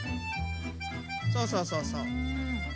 そうそうそうそう。